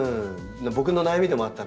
僕の悩みでもあったので。